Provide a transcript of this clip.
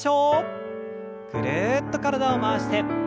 ぐるっと体を回して。